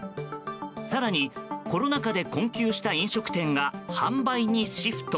更に、コロナ禍で困窮した飲食店が販売にシフト。